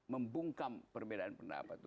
membungkam perbedaan pendapat